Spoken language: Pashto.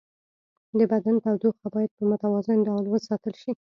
د بدن تودوخه باید په متوازن ډول وساتل شي.